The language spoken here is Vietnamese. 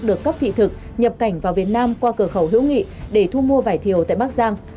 được cấp thị thực nhập cảnh vào việt nam qua cửa khẩu hữu nghị để thu mua vải thiều tại bắc giang